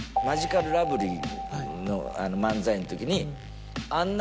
マヂカルラブリーの漫才のときに。